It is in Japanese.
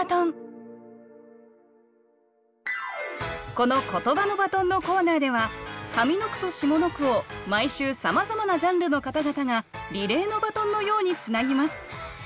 この「ことばのバトン」のコーナーでは上の句と下の句を毎週さまざまなジャンルの方々がリレーのバトンのようにつなぎます。